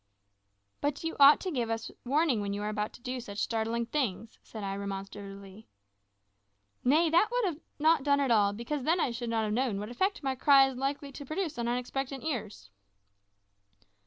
"But you ought to give us warning when you are about to do such startling things," said I remonstratively. "Nay, that would not have done at all, because then I should not have known what effect my cry is likely to produce on unexpectant ears."